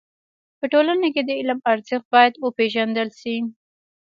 په ټولنه کي د علم ارزښت بايد و پيژندل سي.